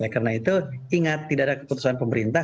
karena itu ingat tidak ada keputusan pemerintah